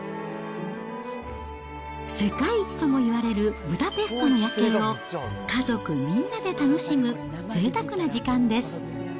世界一ともいわれるブダペストの夜景を家族みんなで楽しむぜいたくな時間です。